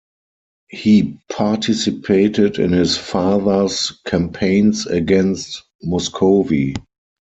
He participated in his father's campaigns against Muscovy.